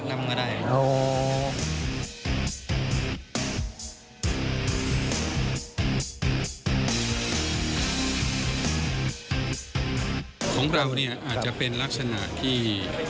ของเราเนี่ยอาจจะเป็นลักษณะที่